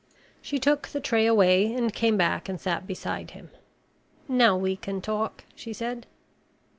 She took the tray away and came back and sat beside him. "Now we can talk," she said.